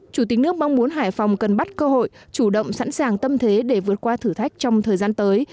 chủ tịch nước mong muốn hải phòng cần bắt cơ hội chủ động sẵn sàng tâm thế để vượt qua thử thách trong thời gian tới